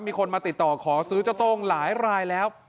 มีคนมาติดต่อขอซื้อเจ้าโต้งหลายรายแล้ว